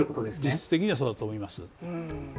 実質的にはそうだと思います。